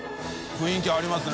雰囲気ありますね。